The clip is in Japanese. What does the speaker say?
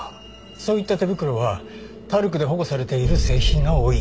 そういった手袋はタルクで保護されている製品が多い。